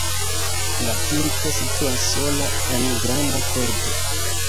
La kirko situas sola en granda korto.